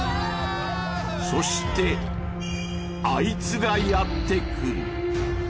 ［そしてあいつがやって来る］